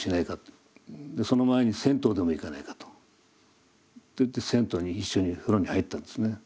その前に銭湯でも行かないかと言って銭湯に一緒に風呂に入ったんですね。